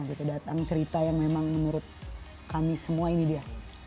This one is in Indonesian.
gitu datang cerita yang memang menurut kami semua ini dia